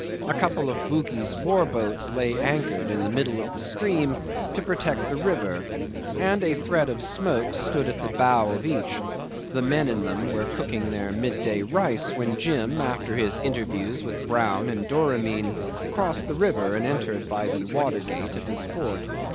A couple of Bugis war boats lay anchored in the middle of the stream to protect the river, and a thread of smoke stood at the bow of each; the men in them were cooking their midday rice when Jim, after his interviews with Brown and Doramin, crossed the river and entered by the water gate of his fort.